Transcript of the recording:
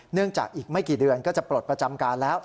จากอีกไม่กี่เดือนก็จะปลดประจำการแล้ว